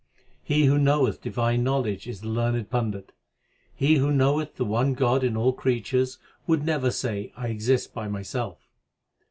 N. He who knoweth divine knowledge is the learned pandit. 1 He who knoweth the one God in all creatures would never say I exist by myself